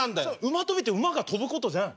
馬跳びって馬が跳ぶことじゃないの？